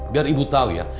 biar ibu tahu ya